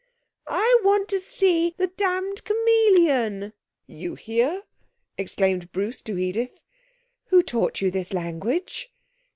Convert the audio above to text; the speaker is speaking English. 'I want to see the damned chameleon.' 'You hear!' exclaimed Bruce to Edith. 'Who taught you this language?'